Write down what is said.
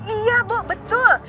iya bu betul